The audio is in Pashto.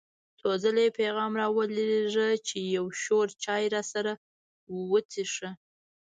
څو ځله یې پیغام را ولېږه چې یو شور چای راسره وڅښه.